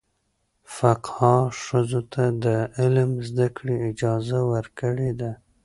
فقهاء ښځو ته د علم زده کړې اجازه ورکړې ده.